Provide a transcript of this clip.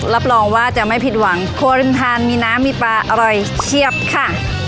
รับรองว่าจะไม่ผิดหวังครัวริมทานมีน้ำมีปลาอร่อยเชียบค่ะ